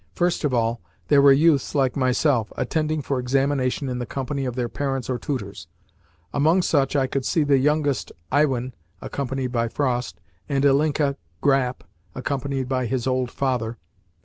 First of all, there were youths like myself, attending for examination in the company of their parents or tutors. Among such I could see the youngest Iwin (accompanied by Frost) and Ilinka Grap (accompanied by his old father).